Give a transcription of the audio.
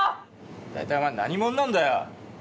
大体お前何者なんだよ。